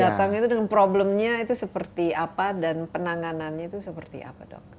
datang itu dengan problemnya itu seperti apa dan penanganannya itu seperti apa dok